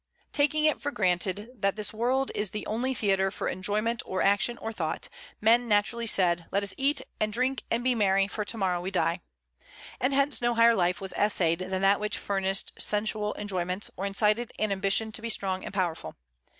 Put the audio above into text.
Taking it for granted that this world is the only theatre for enjoyment, or action, or thought, men naturally said, "Let us eat and drink and be merry, for to morrow we die." And hence no higher life was essayed than that which furnished sensual enjoyments, or incited an ambition to be strong and powerful.